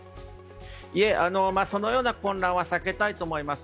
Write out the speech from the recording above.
いえ、そのような混乱は避けたいと思います。